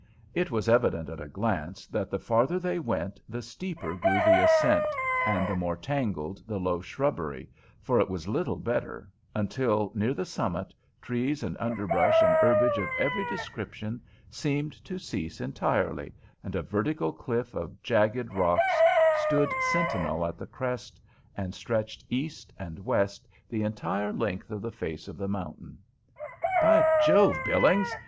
It was evident at a glance that the farther they went the steeper grew the ascent and the more tangled the low shrubbery, for it was little better, until, near the summit, trees and underbrush, and herbage of every description, seemed to cease entirely, and a vertical cliff of jagged rocks stood sentinel at the crest, and stretched east and west the entire length of the face of the mountain. "By Jove, Billings!